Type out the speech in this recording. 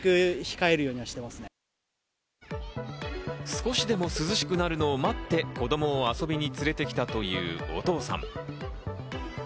少しでも涼しくなるのを待って、子供を遊びに連れてきたというお父さん。